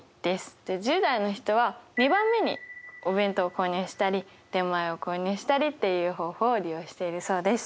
で１０代の人は２番目にお弁当を購入したり出前を購入したりっていう方法を利用しているそうです。